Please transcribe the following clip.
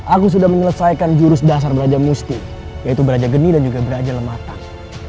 aku sudah menyelesaikan jurus dasar belajar musti yaitu belajar geni dan juga belajar lemah tang